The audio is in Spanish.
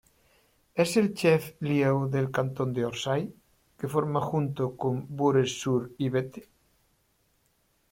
Es el "chef-lieu" del cantón de Orsay, que forma junto con Bures-sur-Yvette.